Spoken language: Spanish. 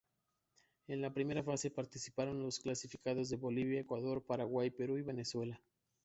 En la primera fase, participaron los clasificados de Bolivia, Ecuador, Paraguay, Perú y Venezuela.